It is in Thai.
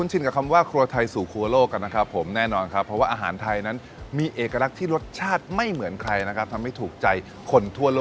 จะไม่ธรรมดาขนาดไหน